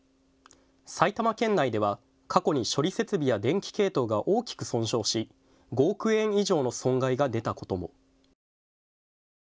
埼玉県内では過去に処理設備や電気系統が大きく損傷し５億円以上の損害が出たことも。